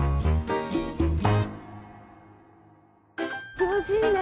気持ちいいね。